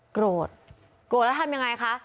โกรธโกรธแล้วทำยังไงคะ